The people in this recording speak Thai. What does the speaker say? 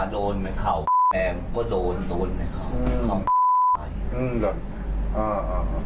โดนขวายโดนไหมเข่า